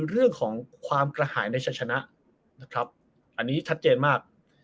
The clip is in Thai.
เรื่องของความกระหายในชัยชนะนะครับอันนี้ชัดเจนมาก